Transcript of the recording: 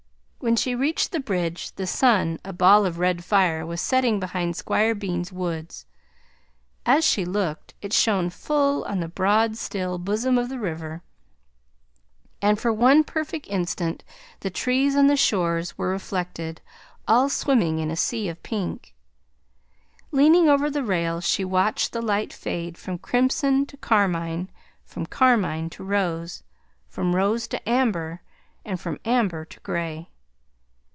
When she reached the bridge the sun, a ball of red fire, was setting behind Squire Bean's woods. As she looked, it shone full on the broad, still bosom of the river, and for one perfect instant the trees on the shores were reflected, all swimming in a sea of pink. Leaning over the rail, she watched the light fade from crimson to carmine, from carmine to rose, from rose to amber, and from amber to gray.